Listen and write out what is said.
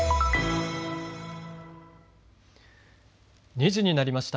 ２時になりました。